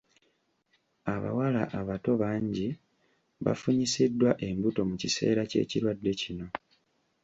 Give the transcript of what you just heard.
Abawala abato bangi bafunyisiddwa embuto mu kiseera ky'ekirwadde kino.